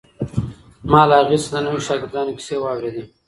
ما له هغې څخه د نویو شاګردانو کیسې واورېدې.